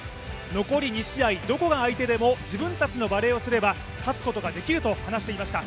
残り２試合、どこが相手でも自分たちのバレーをすれば勝つことができると話していました。